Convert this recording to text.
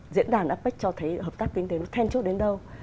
diễn đàn apec cho thấy hợp tác kinh tế nó then chốt đến đâu